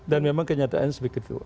dan memang kenyataan seperti itu